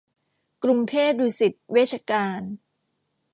กรุงเทพดุสิตเวชการ